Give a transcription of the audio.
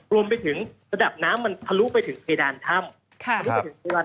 รวมไปถึงระดับน้ำมันพลุไปถึงเคดานถ้ำ